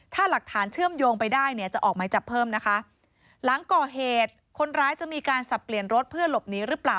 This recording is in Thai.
ถ้าหลักฐานเชื่อมโยงไปได้เนี่ยจะออกไม้จับเพิ่มนะคะหลังก่อเหตุคนร้ายจะมีการสับเปลี่ยนรถเพื่อหลบหนีหรือเปล่า